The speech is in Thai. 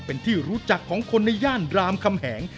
เป็นที่รู้จักของคนในย่านรามคำแหง